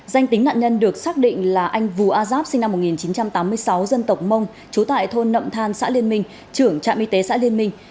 danh tính nạn nhân được xác định là anh vũ a giáp sinh năm một nghìn chín trăm tám mươi sáu dân tộc mông chú tại thôn nậm than xã liên minh trưởng trạm y tế xã liên minh